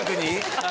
はい。